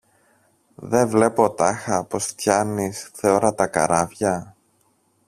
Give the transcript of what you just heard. Δε βλέπω τάχα πως φτιάνεις θεόρατα καράβια;